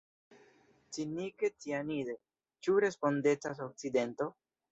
Cinike cianide – ĉu respondecas Okcidento?